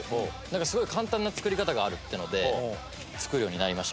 すごい簡単な作り方があるっていうので作るようになりました